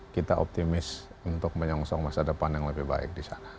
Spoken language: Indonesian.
kita optimis untuk menyongsong masa depan yang lebih baik di sana